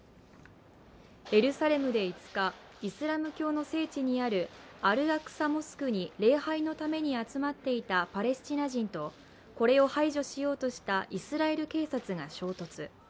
エルサレムで５日、イスラム教の聖地にあるアルアクサ・モスクに礼拝のために集まっていたパレスチナ人とこれを排除しようとしたイスラエル警察が衝突。